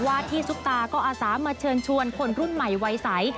ว่าที่ซุปตาก็อาสามาเชิญชวนคนรุ่นใหม่วัยใส